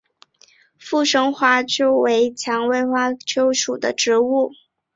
附生花楸为蔷薇科花楸属的植物。